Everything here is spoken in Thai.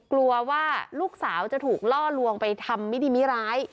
กลัวว่าลูกสาวจะถูกล่อลวงไปทำมิดีมิร้าย